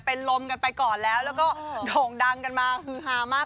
เป็นลมกันไปก่อนแล้วแล้วก็โด่งดังกันมาฮือฮามาก